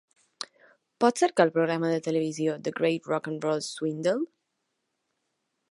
Pots cercar el programa de televisió The Great Rock 'n' Roll Swindle?